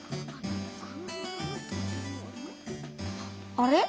あれ？